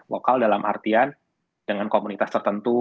lokal dalam artian dengan komunitas tertentu